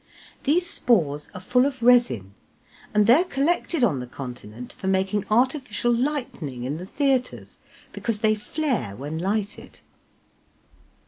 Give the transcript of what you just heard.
These spores are full of resin, and they are collected on the Continent for making artificial lightning in the theatres, because they flare when lighted.